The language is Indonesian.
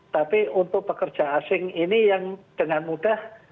tapi untuk pekerja asing ini yang dengan mudah